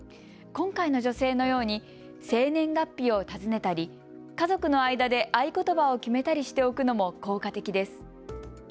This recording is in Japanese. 今回の女性のように生年月日を尋ねたり、家族の間で合言葉を決めたりしておくのも効果的です。